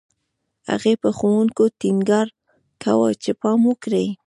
هغې په ښوونکو ټینګار کاوه چې پام وکړي